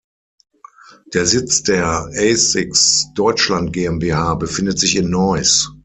Der Sitz der "Asics Deutschland GmbH" befindet sich in Neuss.